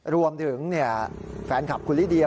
รวมถึงแฟนคลับคุณลิเดีย